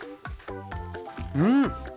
うん！